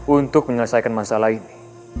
untuk menyelesaikan masalah ini